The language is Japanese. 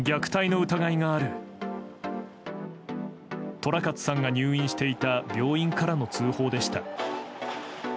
寅勝さんが入院していた病院からの通報でした。